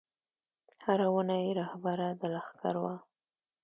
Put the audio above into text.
هره ونه یې رهبره د لښکر وه